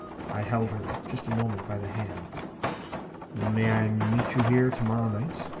I held her just a moment by the hand. "May I meet you here to morrow night?"